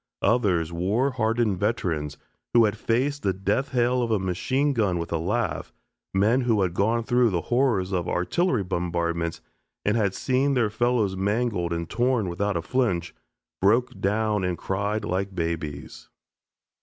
Others, war hardened veterans, who had faced the death hail of a machine gun with a laugh, men who had gone through the horrors of artillery bombardments and had seen their fellows mangled and torn without a flinch, broke down and cried like babies.